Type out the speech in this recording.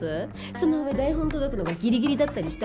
その上台本届くのがギリギリだったりしたら。